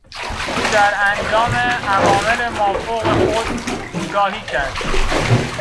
او در انجام اوامر مافوق خود کوتاهی کرد.